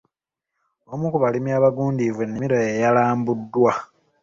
Omu ku balimi abagundiivu ennimiro ye yalambuddwa.